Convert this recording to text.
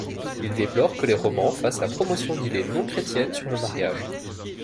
Il déplore que les romans fassent la promotion d'idées non chrétiennes sur le mariage.